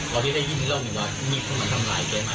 พอที่ได้ยินเล่าหนึ่งว่ามีคนมาทำร้ายแกมา